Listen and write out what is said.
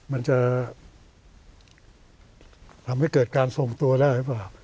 มันจะทำให้เกิดการทรงตัวได้หรือเปล่า